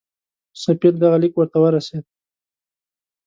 سفیر دغه لیک ورته ورسېد.